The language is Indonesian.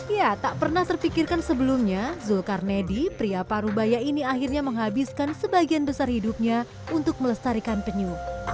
ya tak pernah terpikirkan sebelumnya zulkarnedi pria parubaya ini akhirnya menghabiskan sebagian besar hidupnya untuk melestarikan penyu